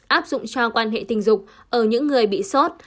áp dụng cho quan hệ tình dục ở những người bị sốt